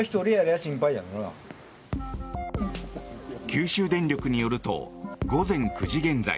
九州電力によると午前９時現在